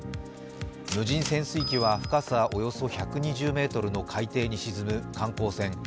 無人潜水機は深さおよそ１２０ｍの海底に沈む観光船